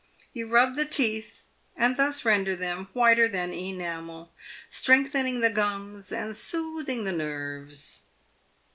You rub the teeth and thus render them whiter than enamel, strengthening the gums and soothing the nerves."